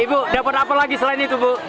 ibu dapat apa lagi selain itu bu